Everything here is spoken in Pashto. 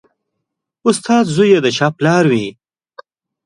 استاد زوی یا د چا پلار وي